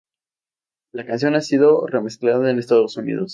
La canción ha sido remezclada en Estados Unidos.